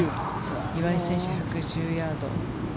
岩井選手、１１０ヤード。